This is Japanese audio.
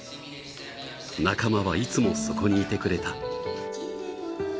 仲間はいつも、そこにいてくれた。